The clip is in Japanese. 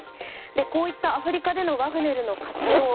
こういったアフリカでのワグネルの活動